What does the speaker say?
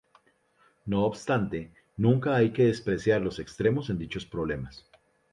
No obstante, nunca hay que despreciar los extremos en dichos problemas.